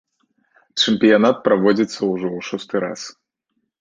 Чэмпіянат праводзіцца ўжо ў шосты раз.